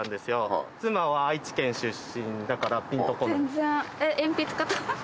全然。